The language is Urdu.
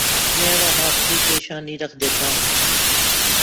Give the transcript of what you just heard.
میں وہاں اپنی پیشانی رکھ دیتا ہوں۔